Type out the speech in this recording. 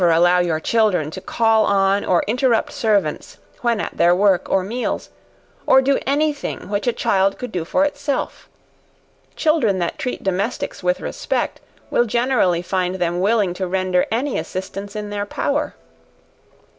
Never allow your children to call on or interrupt servants when at their work or meals, to do any thing which a child could do for itself; children that treat domestics with respect, will generally find them willing to render any assistance in their power.